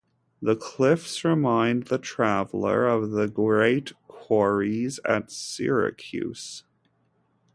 The cliffs remind the traveller of the great quarries at Syracuse.